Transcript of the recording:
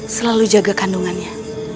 selalu jaga kandungannya